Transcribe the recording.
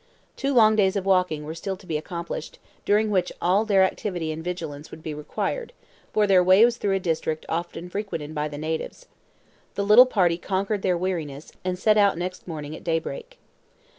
Two long days of walking were still to be accomplished, during which time all their activity and vigilance would be required, for their way was through a district often frequented by the natives. The little party conquered their weariness, and set out next morning at daybreak.